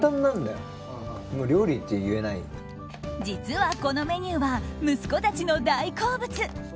実はこのメニューは息子たちの大好物。